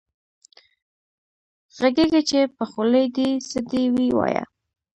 غږېږه چې په خولې دې څه دي وې وايه